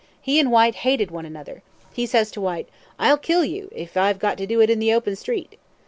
He and Whyte hated one another. He says to Whyte, 'I'll kill you, if I've got to do it in the open street.'